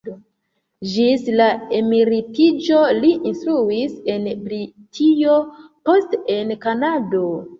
Ĝis la emeritiĝo li instruis en Britio, poste en Kanado.